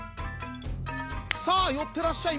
「さあよってらっしゃい。